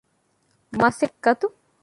މަސައްކަތު